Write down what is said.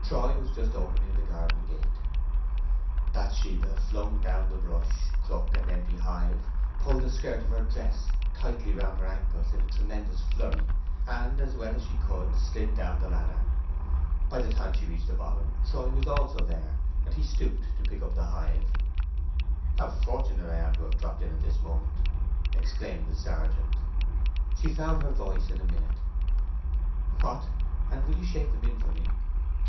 Troy was just opening the garden gate. Bathsheba flung down the brush, crook, and empty hive, pulled the skirt of her dress tightly round her ankles in a tremendous flurry, and as well as she could slid down the ladder. By the time she reached the bottom Troy was there also, and he stooped to pick up the hive. "How fortunate I am to have dropped in at this moment!" exclaimed the sergeant. She found her voice in a minute. "What! and will you shake them in for me?"